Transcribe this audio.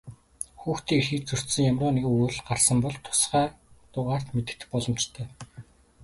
Хүүхдийн эрхийг зөрчсөн ямарваа нэгэн үйлдэл гарсан бол тусгай дугаарт мэдэгдэх боломжтой.